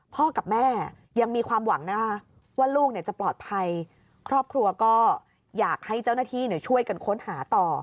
พ่อกับแม่ยังมีความหวังนะคะว่าลูกจะปลอดภัยครอบครัวก็อยากให้เจ้าหน้าที่ช่วยกันค้นหาต่อ